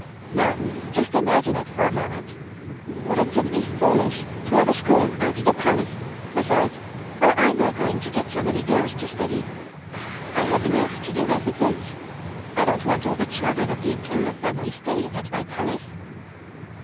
Now, just imagine it for a moment. Wouldn't it be foolish to have a school at the Palace; besides, where am I going to get so many girls to study? I have enough to do as it is. I don't want all the children of the Imperial family studying at my Palace."